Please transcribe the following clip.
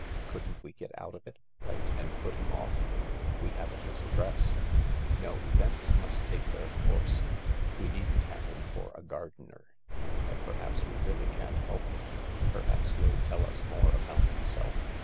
" Couldn't we get out of it ? Write and put him off ?" "We haven't his address. No, events must take their course. We needn't have him for a gardener. But perhaps we really can help him. Perhaps he'll tell us more about himself.